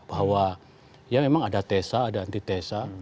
bahwa ya memang ada tesa ada antitesa